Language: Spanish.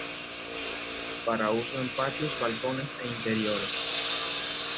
Para uso en patios, balcones e interiores.